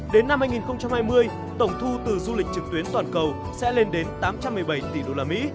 đến năm hai nghìn hai mươi tổng thu từ du lịch trực tuyến toàn cầu sẽ lên đến tám trăm một mươi bảy tỷ usd